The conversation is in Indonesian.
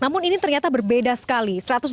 namun ini ternyata berbeda sekali